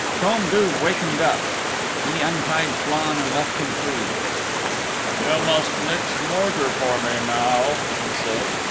Crom Duv wakened up. He untied Flann and left him free. "You must mix mortar for me now," he said.